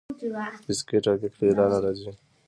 بسکیټ او کیک له ایران راځي.